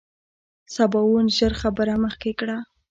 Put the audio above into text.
سباوون ژر خبره مخکې کړه.